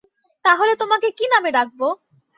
তাহলে তোমাকে কী নামে ডাকবো?